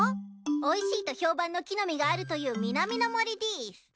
おいしいと評判の木の実があるという南の森でぃす。